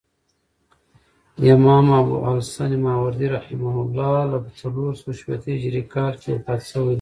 امام ابوالحسن ماوردي رحمة الله په څلورسوه شپېتم هجري کال کښي وفات سوی دي.